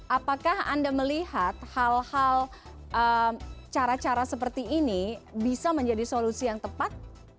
apakah anda melihat hal hal cara cara seperti ini bisa menjadi solusi yang tepat